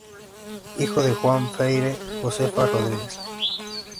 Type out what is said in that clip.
Hijo de Juan Freyre y Josefa Rodríguez.